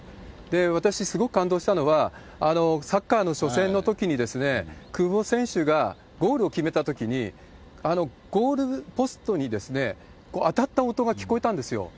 私、すごく感動したのは、サッカーの初戦のときに、久保選手がゴールを決めたときに、あのゴールポストに当たった音が聞こえたんですよ。